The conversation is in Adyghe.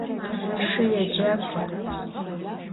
Pşşı yêcak'ua?